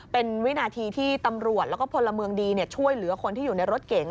เป็นวินาทีที่ตำรวจแล้วก็พลเมืองดีช่วยเหลือคนที่อยู่ในรถเก๋ง